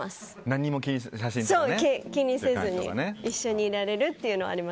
何も気にせずに一緒にいられるというのは。